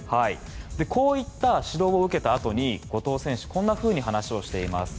こういった指導を受けたあとに後藤選手はこんなふうに話をしています。